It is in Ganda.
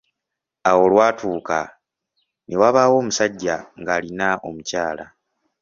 Awo olwatuuka, ne wabaaawo omusajja nga alina omukyala.